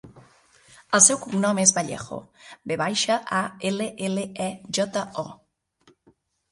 El seu cognom és Vallejo: ve baixa, a, ela, ela, e, jota, o.